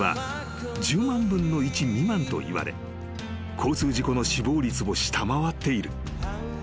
［交通事故の死亡率を下回っている］